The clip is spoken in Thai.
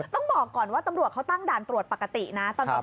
ต้องบอกก่อนว่าตำรวจเขาตั้งด่านตรวจปกตินะ